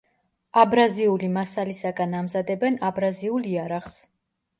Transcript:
აბრაზიული მასალისაგან ამზადებენ აბრაზიულ იარაღს.